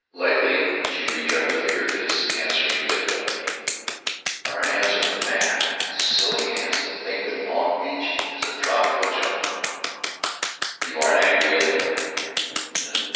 Lightly she returned the finger kiss, answering diffidently, "Our hands are mad—silly hands to think that Long Beach is a tropical jungle." "You aren't angry at them?"